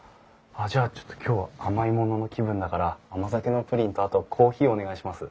あっじゃあちょっと今日は甘いものの気分だから甘酒のプリンとあとコーヒーお願いします。